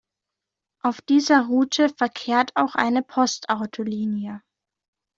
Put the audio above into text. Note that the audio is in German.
Auf dieser Route verkehrt auch eine Postautolinie.